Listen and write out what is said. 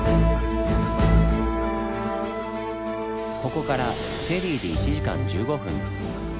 ここからフェリーで１時間１５分。